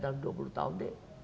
dalam dua puluh tahun